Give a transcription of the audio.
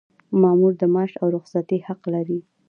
مامور د معاش او رخصتۍ حق لري.